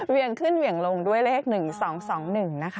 ยงขึ้นเหวี่ยงลงด้วยเลข๑๒๒๑นะคะ